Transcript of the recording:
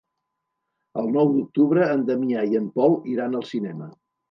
El nou d'octubre en Damià i en Pol iran al cinema.